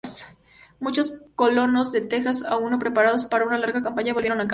Muchos colonos de Texas, aún no preparados para una larga campaña, volvieron a casa.